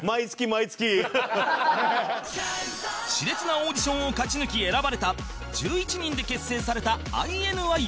熾烈なオーディションを勝ち抜き選ばれた１１人で結成された ＩＮＩ